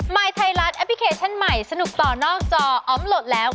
ยไทยรัฐแอปพลิเคชันใหม่สนุกต่อนอกจออมโหลดแล้ว